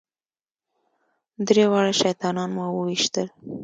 درې واړه شیطانان مو وويشتل.